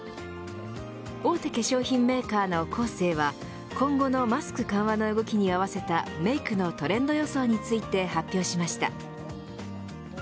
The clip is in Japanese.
大手化粧品メーカーのコーセーは今後のマスク緩和の動きに合わせたメークのトレンド予想について発表しました。